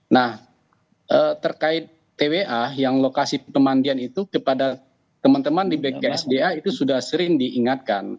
nah terkait twa yang lokasi pemandian itu kepada teman teman di bksda itu sudah sering diingatkan